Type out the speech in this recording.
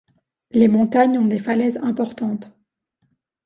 Les montagnes ont des falaises importantes.